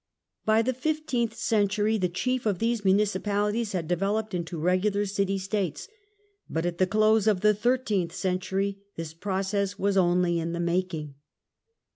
By the fifteenth century the chief of these municipalities had developed into regular City States : but at the close of the thirteenth century this process was only in the making.